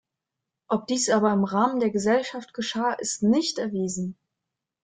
Ob dies aber im Rahmen der Gesellschaft geschah, ist nicht erwiesen.